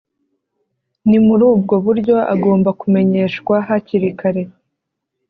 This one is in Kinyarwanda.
Ni muri ubwo buryo agomba kumenyeshwa hakiri kare